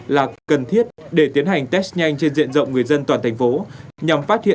là cần thiết để tiến hành test nhanh trên diện rộng người dân toàn thành phố